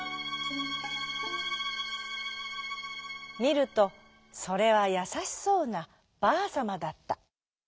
みるとそれはやさしそうなばあさまだった。